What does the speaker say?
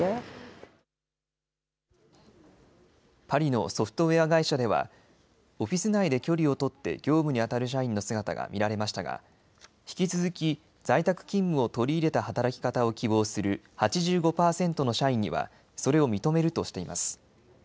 パリのソフトウエア会社ではオフィス内で距離を取って業務にあたる社員の姿が見られましたが引き続き在宅勤務を取り入れた働き方を希望する８５％の社員にはそれを認めるとしています。